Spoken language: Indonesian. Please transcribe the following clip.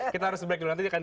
kita harus break dulu nanti